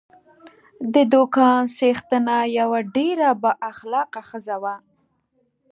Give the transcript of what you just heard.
د دوکان څښتنه یوه ډېره با اخلاقه ښځه وه.